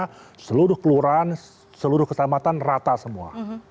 karena seluruh kelurahan seluruh keselamatan rata semua